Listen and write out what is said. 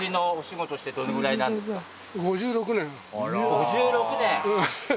５６年！